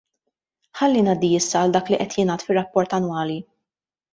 Ħalli ngħaddi issa għal dak li qed jingħad fir-rapport annwali.